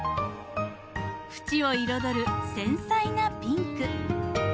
縁を彩る繊細なピンク。